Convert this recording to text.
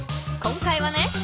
今回はね